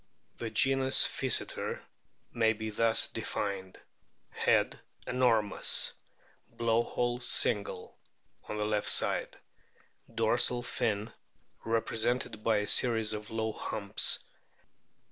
The genus PHYSETER} may be thus denned : Head enormous ; blow hole single, on left side ; dorsal fin represented by a series of low humps.